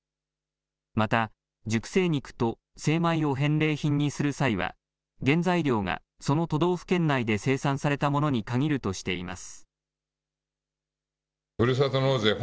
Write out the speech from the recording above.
また、熟成肉と精米を返礼品にする際は、原材料がその都道府県内で生産されたものに限るとしています。